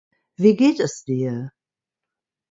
Wie geht es Dir?